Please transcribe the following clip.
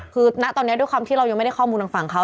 คือณตอนนี้ด้วยความที่เรายังไม่ได้ข้อมูลทางฝั่งเขา